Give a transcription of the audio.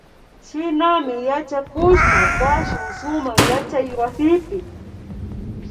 Shinami yachakushpa kashun sumak yachaywasipi